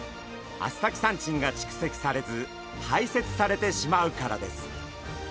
アスタキサンチンが蓄積されず排泄されてしまうからです。